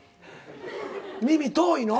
耳遠いの？